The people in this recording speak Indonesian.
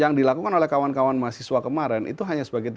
yang dilakukan oleh kawan kawan mahasiswa kemarin itu hanya sebagai tiga